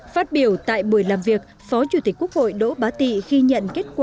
phát biểu tại buổi làm việc phó chủ tịch quốc hội đỗ bá tị ghi nhận kết quả